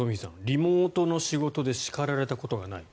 リモートの仕事で叱られたことがない。